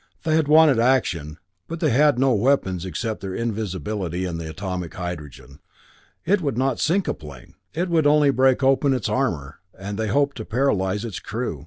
They had wanted action, but they had no weapons except their invisibility and the atomic hydrogen. It would not sink a plane. It would only break open its armor, and they hoped, paralyze its crew.